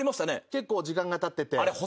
結構時間がたってて。